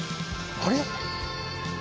あれ？